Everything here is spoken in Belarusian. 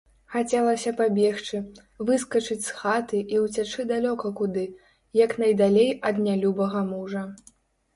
Хацелася пабегчы, выскачыць з хаты і ўцячы далёка куды, як найдалей ад нялюбага мужа.